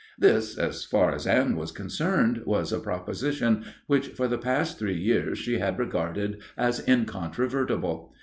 This, as far as Anne was concerned, was a proposition which for the past three years she had regarded as incontrovertible.